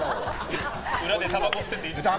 裏でたばこ吸ってていいですか。